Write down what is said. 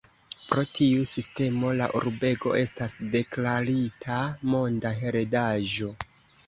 Pro tiu sistemo la urbego estas deklarita Monda Heredaĵo.